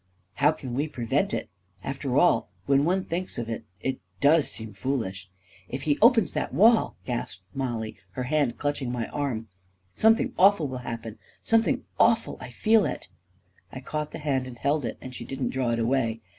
" 44 How can we prevent it ? After all, when one thinks of it, it does seem foolish ..." 44 If he opens that wall," gasped Mollie, her hand clutching my arm, " something awful will happen — something awful — I feel it !" I caught the hand and held it — and she didn't draw it away.